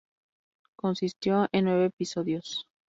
Consistió en nueve episodios.